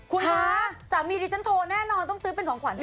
คุณคะสามีดิฉันโทรแน่นอนต้องซื้อเป็นของขวัญ